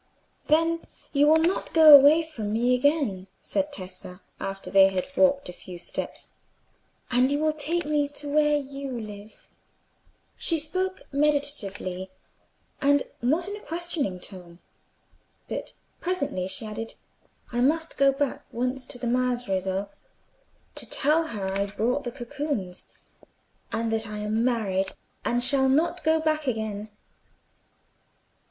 "Then you will not go away from me again," said Tessa, after they had walked a few steps, "and you will take me to where you live." She spoke meditatively, and not in a questioning tone. But presently she added, "I must go back once to the Madre though, to tell her I brought the cocoons, and that I am married, and shall not go back again."